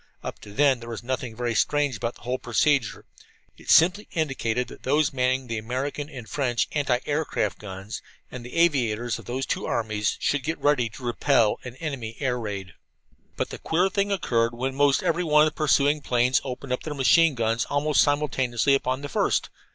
Up to then there was nothing so very strange about the whole procedure. It simply indicated that those manning the American and French anti aircraft guns, and the aviators of those two armies, should get ready to repel an enemy air raid. But the queer thing occurred when every one of the pursuing planes opened up their machine guns almost simultaneously upon the first.